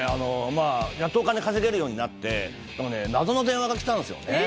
まあやっとお金稼げるようになってなんかね謎の電話が来たんですよね。